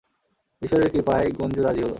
ঈশ্বরের কৃপায় গুঞ্জু রাজি হলো।